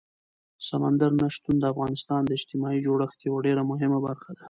سمندر نه شتون د افغانستان د اجتماعي جوړښت یوه ډېره مهمه برخه ده.